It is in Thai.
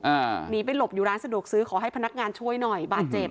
หนีไปหลบอยู่ร้านสะดวกซื้อขอให้พนักงานช่วยหน่อยบาดเจ็บ